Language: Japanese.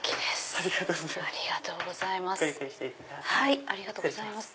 ありがとうございます。